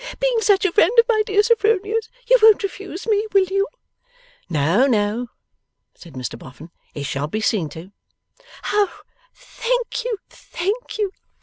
Being such a friend of my dear Sophronia's, you won't refuse me, will you?' 'No, no,' said Mr Boffin, 'it shall be seen to.' 'Oh, thank you, thank you!